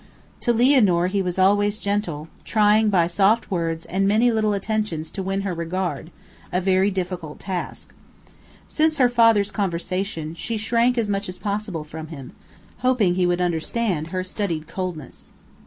To Lianor he was always gentle, trying by soft words and many little attentions to win her regard; a very difficult task. Since her father's conversation, she shrank as much as possible from him, hoping he would understand her studied coldness.